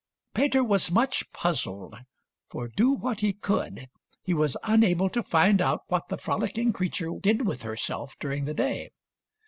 Peter was much puzzled, for, do what he could, he was unable to find out what the frolicking crea ture did with herself during the day.